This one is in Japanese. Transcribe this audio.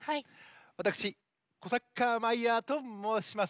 わたくしコサッカーマイヤーともうします。